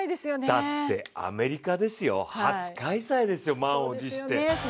だってアメリカですよ、初開催ですよ、満を持して。